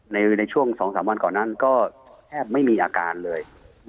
ในช่วงสองสามวันก่อนก็แทบไม่มีอาการเลย